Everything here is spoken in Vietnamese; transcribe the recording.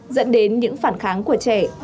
dẫn đến những phản kháng của trẻ